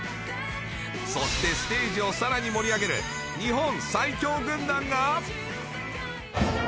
そしてステージをさらに盛り上げる日本最強軍団が。